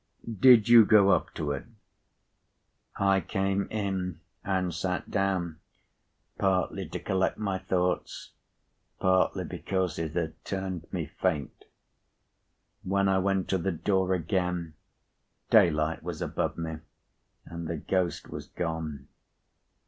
"Did you go up to it?" p. 102"I came in and sat down, partly to collect my thoughts, partly because it had turned me faint. When I went to the door again, daylight was above me, and the ghost was gone."